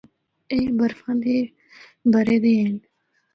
اے برفا دے بھرے دے ہن۔